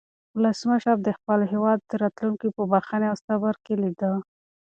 ولسمشر د خپل هېواد راتلونکی په بښنې او صبر کې لیده.